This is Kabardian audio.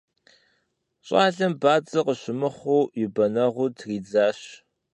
ЩӀалэм бадзэ къыщымыхъуу и бэнэгъур тридзащ.